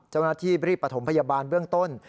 เจ้าหน้าที่รีบประถมพยาบาลเบื้องต้น